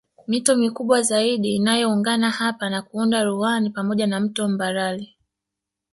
Mito mikubwa zaidi inayoungana hapa na kuunda Ruaha ni pamoja na mto Mbarali